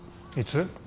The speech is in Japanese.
いつ？